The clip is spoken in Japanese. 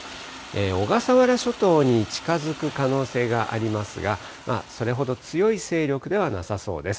小笠原諸島に近づく可能性がありますが、それほど強い勢力ではなさそうです。